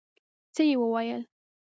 څه يې وويل.